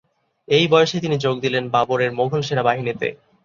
এই বয়সেই তিনি যোগ দিলেন বাবরের মোগল সেনাবাহিনীতে।